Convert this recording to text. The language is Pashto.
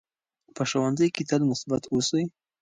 په ښوونځي کې تل مثبت اوسئ.